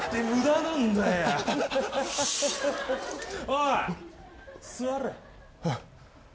おい座れ。